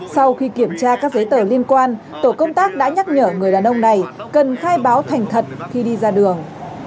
sau khi kiểm tra các giấy tờ liên quan tổ công tác đã nhắc nhở người đàn ông này cần khai báo thành thật khi đi ra đường